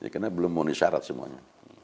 karena belum memenuhi syarat semuanya